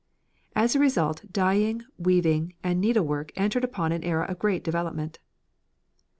As a result dyeing, weaving, and needlework entered on an era of great development.